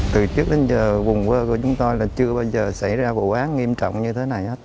từ trước đến giờ vùng quê của chúng tôi là chưa bao giờ xảy ra vụ án nghiêm trọng như thế này hết